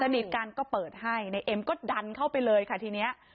สนิทกันก็เปิดให้ในเอ็มก็ดันเข้าไปเลยค่ะทีนี้